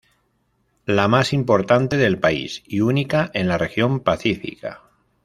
La más importante del país y única en la region Pacífica